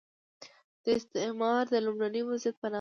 دا استعاره د لومړني وضعیت په نامه ده.